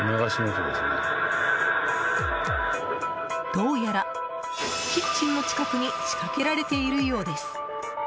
どうやらキッチンの近くに仕掛けられているようです。